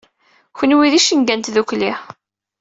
Kenwi d icenga n tdukli.